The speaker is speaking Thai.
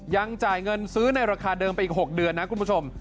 ยังจ่ายเงินซื้อในราคาเดิมไปอีก๖เดือนนะคุณผู้ชม